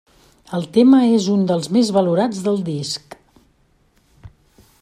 El tema és, un dels més valorats del disc.